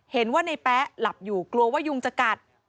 เห็นว่าในแป๊ะหลับอยู่กลัวว่ายุงจะกัด